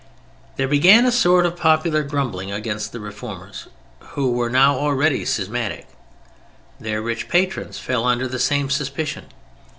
There began a sort of popular grumbling against the Reformers, who were now already schismatic: their rich patrons fell under the same suspicion.